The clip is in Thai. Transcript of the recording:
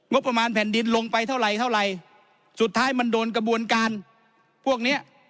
งบประมาณแผ่นดินลงไปเท่าไหร่สุดท้ายมันโดนกระบวนการพวกนี้